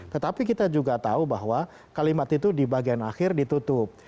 tetapi kita juga tahu bahwa kalimat itu di bagian akhir ditutup